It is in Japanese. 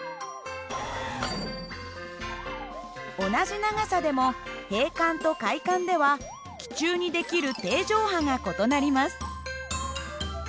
同じ長さでも閉管と開管では気柱に出来る定常波が異なります。